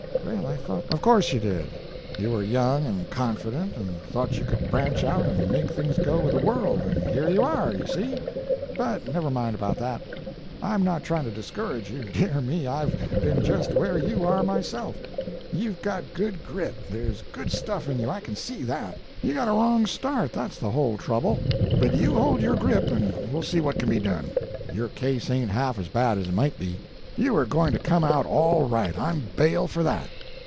"Well, I thought—" "Of course you did. You were young and confident and thought you could branch out and make things go with a whirl, and here you are, you see! But never mind about that. I'm not trying to discourage you. Dear me! I've been just where you are myself! You've got good grit; there's good stuff in you, I can see that. You got a wrong start, that's the whole trouble. But you hold your grip, and we'll see what can be done. Your case ain't half as bad as it might be. You are going to come out all right—I'm bail for that.